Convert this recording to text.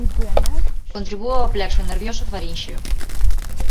Contribúe ó plexo nervioso farínxeo.